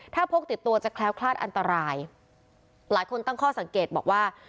ถ้าพกติดตัวจะแคล้วคลาดอันตรายหลายคนตั้งข้อสังเกตบอกว่า